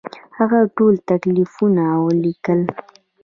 هغه ټول تکلیفونه ولیکل.